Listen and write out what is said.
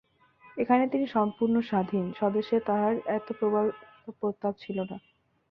এখানে তিনি সম্পূর্ণ স্বাধীন, স্বদেশে তাঁহার এত প্রবল প্রতাপ ছিল না।